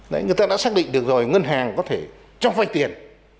đấy người ta đã xác định được rồi ngân hàng có thể cho vay tiền